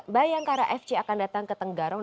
bayangkara fc akan datang ke tenggarong